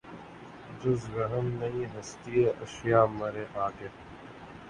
جز وہم نہیں ہستیٔ اشیا مرے آگے